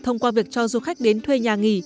thông qua việc cho du khách đến thuê nhà nghỉ